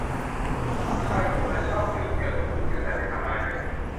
ผู้ชายตรงนั้นชอบดื่มเยอะ พูดเยอะ แต่ไม่ทำอะไรเลย